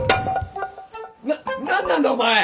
な何なんだお前！？